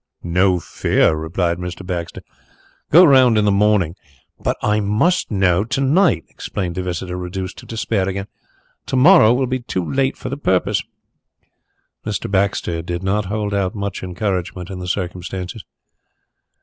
No fear!" replied Mr. Baxter. "Go round in the morning " "But I must know to night," explained the visitor, reduced to despair again. "To morrow will be too late for the purpose." Mr. Baxter did not hold out much encouragement in the circumstances.